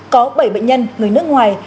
có bảy bệnh nhân người nước ngoài